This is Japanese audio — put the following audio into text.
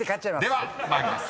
［では参ります。